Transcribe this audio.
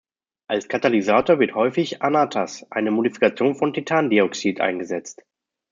Als Katalysator wird häufig Anatas, eine Modifikation von Titandioxid eingesetzt.